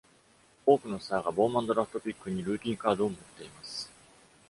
多くのスターがボーマンドラフトピックにルーキーカードを持っています。